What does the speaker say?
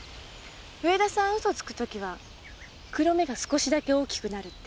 上田さん嘘つく時は黒目が少しだけ大きくなるって。